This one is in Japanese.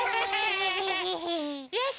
よし！